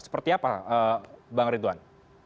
seperti apa bang ridwan